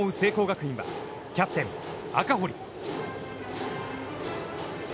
学院はキャプテン赤堀。